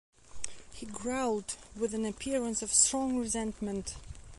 he growled with an appearance of strong resentment.